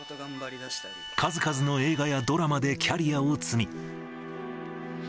数々の映画やドラマでキャリアを積み。